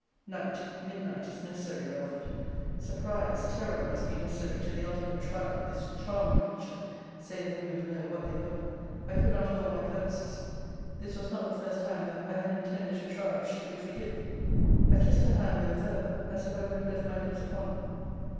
'Night, mid night, is necessary, Belford. Surprise, terror, must be necessary to the ultimate trial of this charming creature, say the women below what they will. I could not hold my purposes. This was not the first time that I had intended to try if she could forgive. 'I kissed her hand with a fervour, as if I would have left my lips upon it.